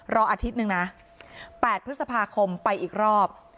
อาทิตย์หนึ่งนะ๘พฤษภาคมไปอีกรอบ